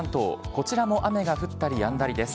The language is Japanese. こちらも雨が降ったりやんだりです。